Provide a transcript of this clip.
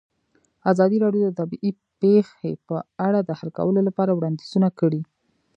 ازادي راډیو د طبیعي پېښې په اړه د حل کولو لپاره وړاندیزونه کړي.